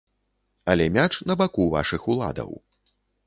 Але мяч на баку вашых уладаў.